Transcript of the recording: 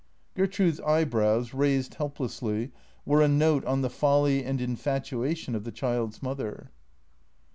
Gertrude's eyebrows, raised helplessly, were a note on the folly and infatuation of the child's mother.